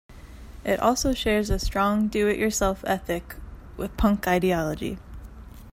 It also shares a strong do-it-yourself ethic with punk ideology.